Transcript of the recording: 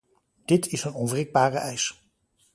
Dit is een onwrikbare eis.